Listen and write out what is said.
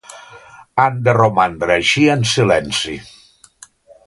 Han de romandre així en silenci.